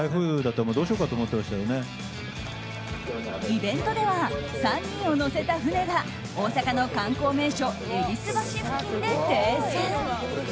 イベントでは３人を乗せた船が大阪の観光名所戎橋付近で停船。